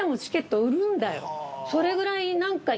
それぐらい。